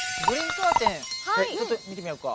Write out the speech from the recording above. カーテンちょっと見てみようか。